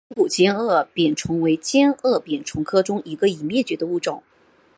似形古尖腭扁虫为尖腭扁虫科中一个已灭绝的物种。